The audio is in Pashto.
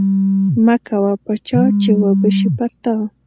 مه کوه په چا چې وبه شي پر تا